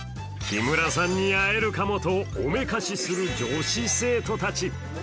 木村さんに会えるかもとおめかしする女子生徒たち。